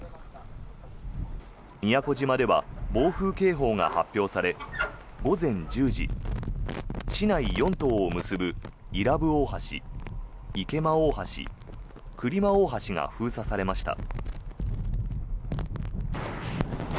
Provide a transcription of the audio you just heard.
宮古島では暴風警報が発表され午前１０時、市内４島を結ぶ伊良部大橋、池間大橋来間大橋が封鎖されました。